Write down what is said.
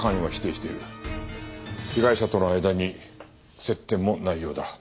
被害者との間に接点もないようだ。